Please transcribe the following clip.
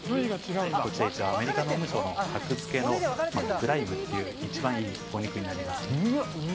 アメリカ農務省の格付けのプライムという一番いいお肉になります。